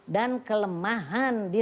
dan kelemahan di